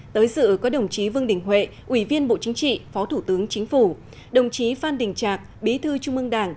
tới dự có đồng chí vương đình huệ ủy viên bộ chính trị phó thủ tướng chính phủ đồng chí phan đình trạc bí thư trung ương đảng